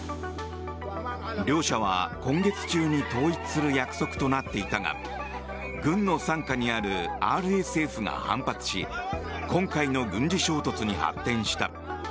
両者は、今月中に統一する約束となっていたが軍の傘下にあるＲＳＦが反発し今回の軍事衝突に発展した。